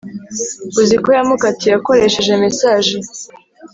uziko yamukatiye akoresheje message